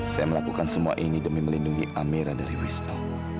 saya melakukan semua ini demi melindungi amira dari wisnu